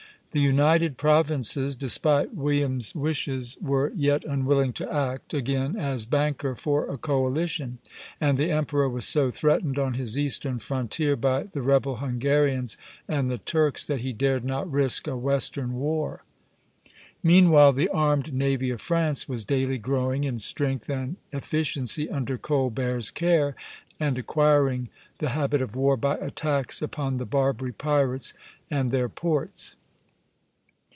The United Provinces, despite William's wishes, were yet unwilling to act again as banker for a coalition, and the emperor was so threatened on his eastern frontier by the rebel Hungarians and the Turks that he dared not risk a western war. Meanwhile the armed navy of France was daily growing in strength and efficiency under Colbert's care, and acquiring the habit of war by attacks upon the Barbary pirates and their ports.